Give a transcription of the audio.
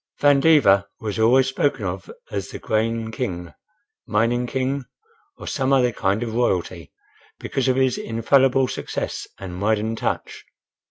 Van Diver was always spoken of as the "Grain King," "Mining King," or some other kind of Royalty, because of his infallible success, and Midan touch.